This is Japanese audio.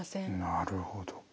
なるほど。